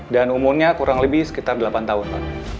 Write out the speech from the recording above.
dan umurnya kurang lebih sekitar delapan tahun pak